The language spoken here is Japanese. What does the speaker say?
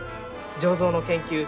醸造の研究